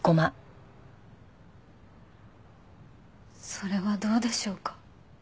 それはどうでしょうか。